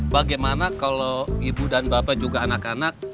bagaimana kalau ibu dan bapak juga anak anak